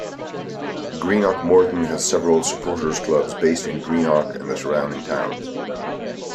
Greenock Morton has several supporters' clubs based in Greenock and the surrounding towns.